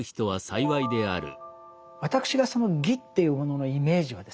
私がその「義」というもののイメージはですね